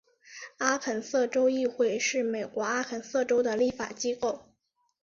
阿肯色州议会是美国阿肯色州的立法机构。